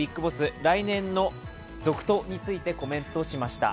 来年の続投についてコメントしました。